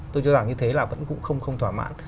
tôi cho rằng như thế là vẫn cũng không thỏa mãn